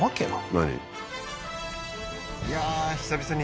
何？